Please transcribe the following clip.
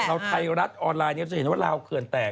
เราไทยรัฐออนไลน์จะเห็นว่าลาวเคือนแตก